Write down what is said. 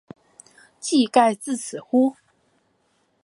技盖至此乎？